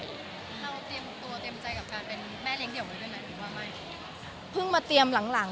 เตรียมใจกับการเป็นแม่เลี้ยงเดี่ยวไหม